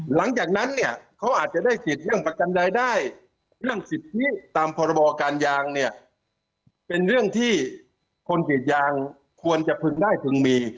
หลังจากนั้นเนี่ยเขาอาจจะได้สิทธิ์เรื่องประกันรายได้เรื่องสิทธิตามพรบการยางเนี่ยเป็นเรื่องที่คนกรีดยางควรจะพึงได้พึงมี